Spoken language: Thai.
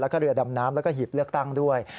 แล้วก็เรือดำน้ำแล้วก็หีบเลือกตั้งด้วย